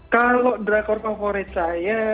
kalau drakor favorit saya